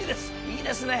いいですね！